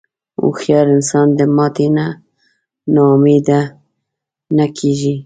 هوښیار انسان د ماتې نه نا امیده نه کېږي.